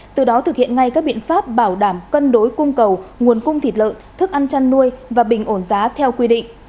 từ đó thực hiện ngay các biện pháp bảo đảm cân đối cung cầu nguồn cung thịt lợn thức ăn chăn nuôi và bình ổn giá theo quy định